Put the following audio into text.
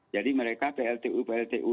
jadi mereka pltu pltu